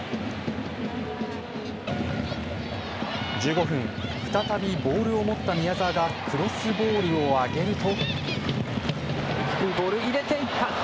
１５分、再びボールを持った宮澤がクロスボールを上げると。